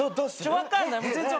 全然分かんない。